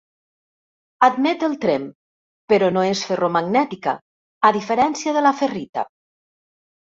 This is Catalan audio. Admet el tremp, però no és ferromagnètica, a diferència de la ferrita.